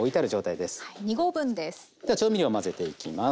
では調味料混ぜていきます。